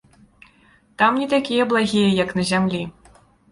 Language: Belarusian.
Там не такія благія, як на зямлі.